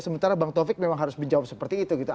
sementara bang taufik memang harus menjawab seperti itu gitu